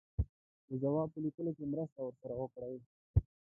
د جواب په لیکلو کې مرسته ورسره وکړي.